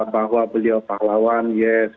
bahwa beliau pahlawan yes